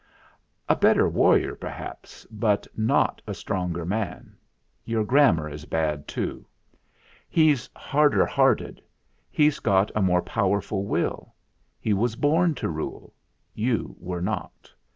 "A better warrior, perhaps; but not a stronger man. Your grammar is bad too. He's harder hearted; he's got a more powerful will. He was born to rule; you were not.